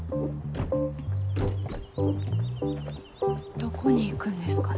どこに行くんですかね。